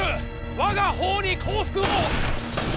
我が方に降伏を。